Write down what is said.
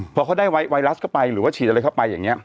พอเขาได้ไวรัสเข้าไปหรือว่าฉีดอะไรเข้าไปอย่างนี้